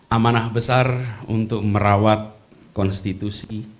amanah besar untuk merawat konstitusi